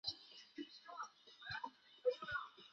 强为之容即老君。